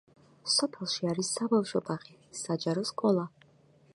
სოფელში არის საბავშვო ბაღი, საჯარო სკოლა.